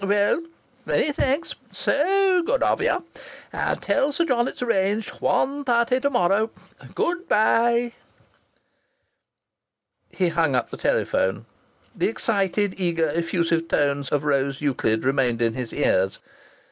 Well, many thanks. Saoo good of you. I'll tell Sir John it's arranged. One thirty to morrow. Good bye!" He hung up the telephone. The excited, eager, effusive tones of Rose Euclid remained in his ears.